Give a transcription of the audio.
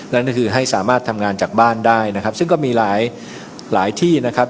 นั่นก็คือให้สามารถทำงานจากบ้านได้นะครับซึ่งก็มีหลายหลายที่นะครับ